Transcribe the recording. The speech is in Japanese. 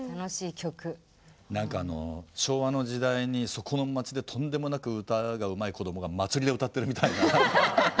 何か昭和の時代にそこの街でとんでもなく歌がうまい子どもが祭りで歌ってるみたいな。